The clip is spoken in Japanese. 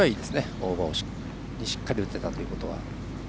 オーバーにしっかり打てたということは。